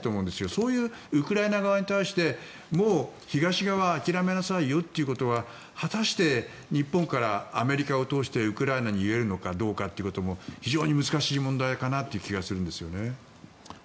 そういうウクライナ側に対してもう東側諦めなさいよということは果たして日本からアメリカを通してウクライナに言えるのかどうかってことも非常に難しい問題かなという気がするんですよね。